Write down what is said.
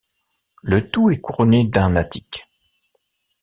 Le tout est couronné d’un attique.